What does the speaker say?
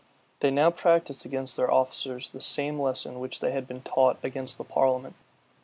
They now practised against their officers the same lesson which they had been taught against the parliament.